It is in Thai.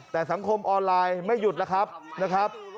แต่สังคมออนไลน์ไม่หยุดนะครับ